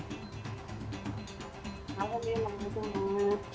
halo mbak mia selamat pagi